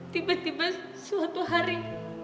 tiba tiba suatu hari